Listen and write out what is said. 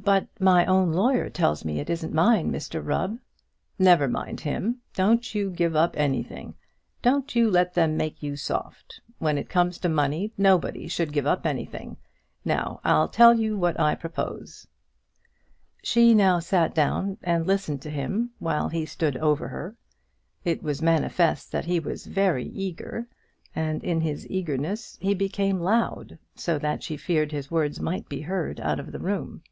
"But my own lawyer tells me it isn't mine, Mr Rubb." "Never mind him; don't you give up anything. Don't you let them make you soft. When it comes to money nobody should give up anything. Now I'll tell you what I propose." She now sat down and listened to him, while he stood over her. It was manifest that he was very eager, and in his eagerness he became loud, so that she feared his words might be heard out of the room.